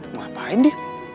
mau ngapain dia